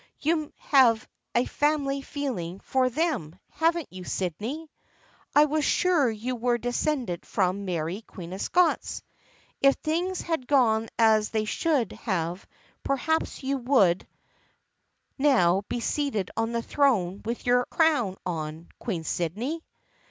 " You have a family feeling for them, haven't you, Sydney ? I was sure you were descended from Mary, Queen of Scots. If things had gone as they should have perhaps you would 48 THE FRIENDSHIP OF ANNE now be seated on the throne with your crown on, Queen Sydney